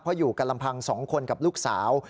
เพราะอยู่กันลำพัง๒คนกับลูกสาว